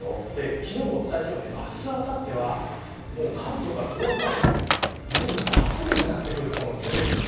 昨日もお伝えしたように明日、あさっては関東から東北まで一部、夏日になってくる所も出てくる。